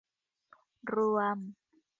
รวม